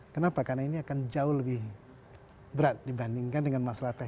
kenapa karena ini akan jauh lebih berat dibandingkan dengan masalah teknis